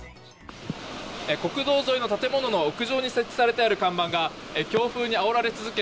国道沿いの建物の屋上に設置してある看板が強風にあおられ続け